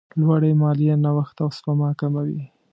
لوړې مالیې نوښت او سپما کموي.